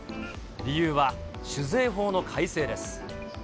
理由は酒税法の改正です。